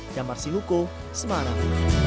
jamar sinuko semarang